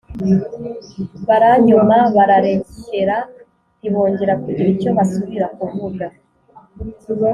baranyoma bararekera ntibongera kugira icyo basubira kuvuga.